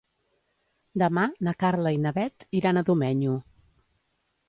Demà na Carla i na Bet iran a Domenyo.